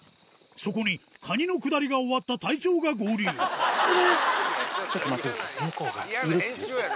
そこにカニのくだりが終わった隊長が合流ちょっと待ってください。